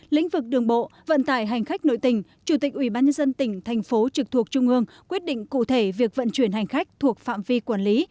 lĩnh vực đường bộ vận tải hành khách nội tỉnh chủ tịch ubnd tỉnh tp hcm quyết định cụ thể việc vận chuyển hành khách thuộc phạm vi quản lý